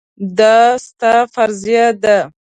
دا ستا فریضه ده.